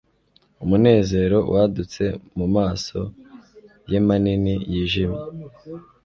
Umunezero wadutse mumaso ye manini yijimye